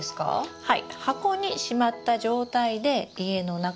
はい。